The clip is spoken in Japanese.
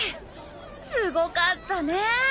すごかったね！